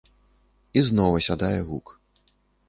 І зноў асядае гук.